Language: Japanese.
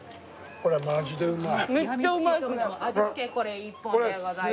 これマジでうまい！